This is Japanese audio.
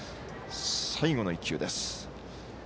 最後の１球です。